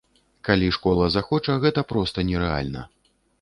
Калі школа захоча, гэта проста нерэальна.